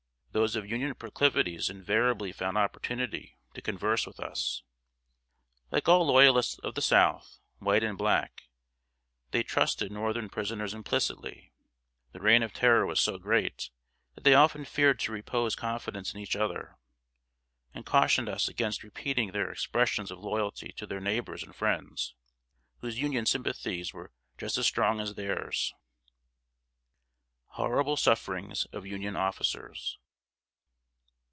Those of Union proclivities invariably found opportunity to converse with us. Like all Loyalists of the South, white and black, they trusted northern prisoners implicitly. The reign of terror was so great that they often feared to repose confidence in each other, and cautioned us against repeating their expressions of loyalty to their neighbors and friends, whose Union sympathies were just as strong as theirs. [Sidenote: HORRIBLE SUFFERINGS OF UNION OFFICERS.